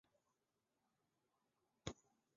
罗马统治时期为繁荣的养牛和葡萄种植中心。